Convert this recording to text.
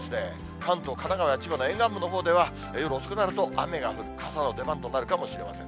関東、神奈川や千葉の沿岸部のほうでは、夜遅くなると雨が降って、傘の出番となるかもしれません。